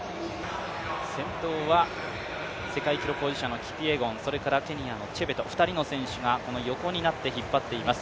先頭は世界記録保持者のキピエゴン、それからケニアのチェベト、２人の選手が横になって引っ張っています。